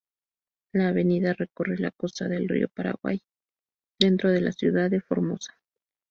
La avenida recorre la costa del Río Paraguay dentro de la ciudad de Formosa.